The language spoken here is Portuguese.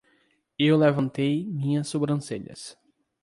Eu levantei minhas sobrancelhas.